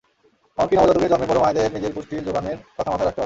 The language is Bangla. এমনকি নবজাতকের জন্মের পরও মায়েদের নিজের পুষ্টির জোগানের কথা মাথায় রাখতে হয়।